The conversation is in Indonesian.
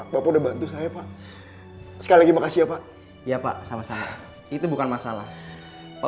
bapak udah bantu saya pak sekali lagi makasih ya pak ya pak sama sama itu bukan masalah